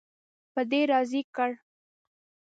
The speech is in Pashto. په دې راضي کړ.